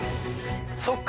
そっか。